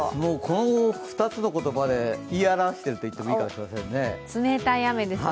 この２つの言葉で言い表してるといってもいいかもしれませんね。